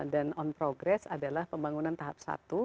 dan on progress adalah pembangunan tahap satu